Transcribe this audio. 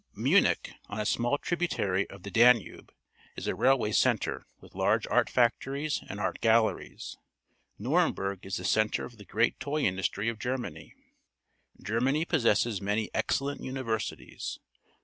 Munich, on a small tributary of the Danube, is a railway centre, \vith large art factories and art galleries. Nuremhurg is the centre of the great toy industry of Germany. Germany possesses many excellent univer sities.